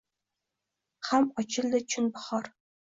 Hamochildi chun bahor.